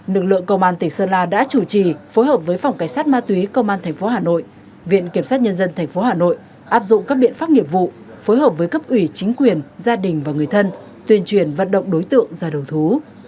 lực lượng công an tỉnh sơn la đã chủ trì phối hợp với phòng cảnh sát ma túy công an tp hà nội viện kiểm sát nhân dân tp hà nội áp dụng các biện pháp nghiệp vụ phối hợp với cấp ủy chính quyền gia đình và người thân tuyên truyền vận động đối tượng ra đầu thú